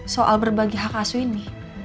soal berbagi hak asu ini